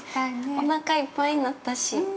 ◆おなかいっぱいなったし。